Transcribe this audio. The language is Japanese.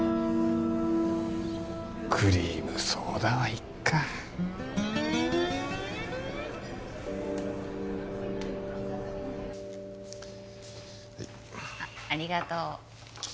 クリームソーダはいいかはいあっありがとう